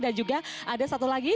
dan juga ada satu lagi